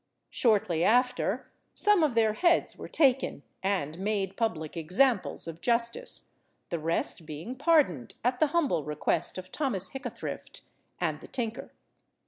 Shortly after some of their heads were taken and made public examples of justice, the rest being pardoned at the humble request of Thomas Hickathrift and the tinker.